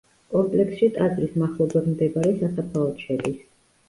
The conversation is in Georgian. კომპლექსში ტაძრის მახლობლად მდებარე სასაფლაოც შედის.